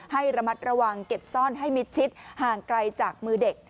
ให้ระมัดระวังเก็บซ่อนให้มิดชิดห่างไกลจากมือเด็ก